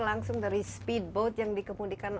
langsung dari speedboat yang dikemudikan